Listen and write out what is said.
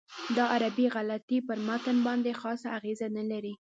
دا عربي غلطۍ پر متن باندې خاصه اغېزه نه لري.